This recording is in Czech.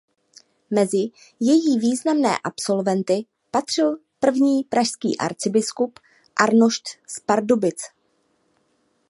Mezi její významné absolventy patřil první pražský arcibiskup Arnošt z Pardubic.